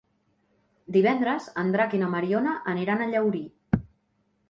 Divendres en Drac i na Mariona aniran a Llaurí.